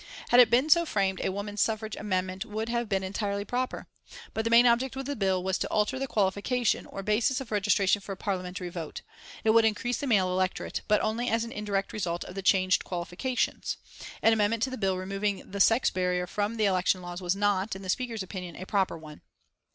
Had it been so framed a woman suffrage amendment would have been entirely proper. But the main object of the bill was to alter the qualification, or the basis of registration for a Parliamentary vote. It would increase the male electorate, but only as an indirect result of the changed qualifications. An amendment to the bill removing the sex barrier from the election laws was not, in the Speaker's opinion, a proper one.